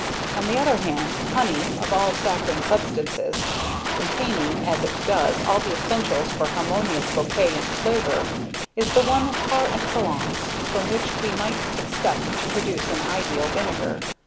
On the other hand, +Honey+, of all saccharine substances, containing as it does all the essentials for harmonious bouquet and flavour, is the one ~par excellence~, from which we might expect to produce an ideal vinegar.